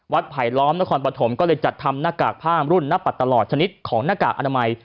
ไผลล้อมนครปฐมก็เลยจัดทำหน้ากากผ้ามรุ่นหน้าปัดตลอดชนิดของหน้ากากอนามัย